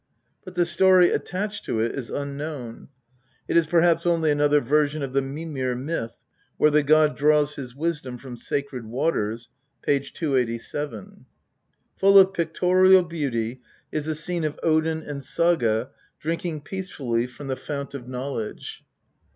But the story attached to it is unknown. It is perhaps only another version of the Mimir myth, where the god draws his wisdom from sacred waters (p. 287). Full of pictorial beauty is the scene of Odin and Saga drinking peacefully from the fount of knowledge.